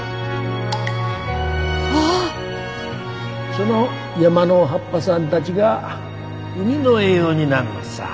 その山の葉っぱさんたちが海の栄養になんのっさ。